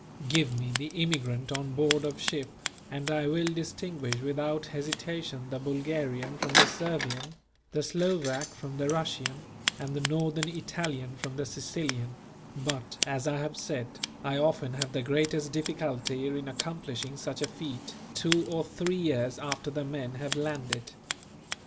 ] Give me the immigrant on board of ship, and I will distinguish without hesitation the Bulgarian from the Servian, the Slovak from the Russian, and the Northern Italian from the Sicilian; but as I have said, I often have the greatest difficulty in accomplishing such a feat, two or three years after the men have landed.